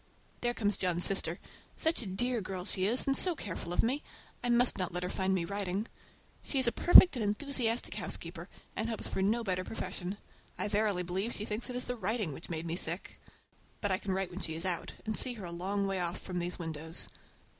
There comes John's sister. Such a dear girl as she is, and so careful of me! I must not let her find me writing. She is a perfect, and enthusiastic housekeeper, and hopes for no better profession. I verily believe she thinks it is the writing which made me sick! But I can write when she is out, and see her a long way off from these windows.